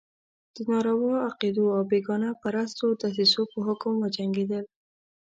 د ناروا عقدو او بېګانه پرستو دسیسو په حکم وجنګېدل.